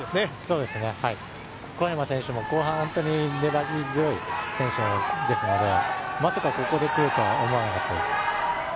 そうですね、小山選手、後半、本当に粘り強い選手なんでまさかここで来るとは思わなかったです。